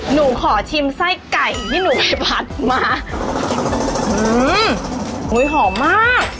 หนูขอชิมไส้ไก่ที่หนูไปผัดมาอืมอุ้ยหอมมาก